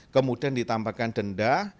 kemudian ditambahkan denda